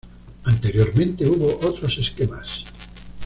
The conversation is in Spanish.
Anteriormente hubo otros esquemas.